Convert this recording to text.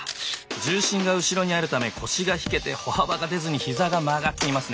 重心が後ろにあるため腰が引けて歩幅が出ずに膝が曲がっていますね。